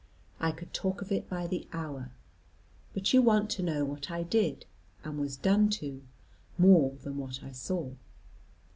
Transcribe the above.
I could talk of it by the hour; but you want to know what I did, and was done to, more than what I saw.